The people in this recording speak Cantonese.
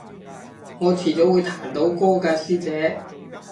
我遲早會彈到歌㗎師姐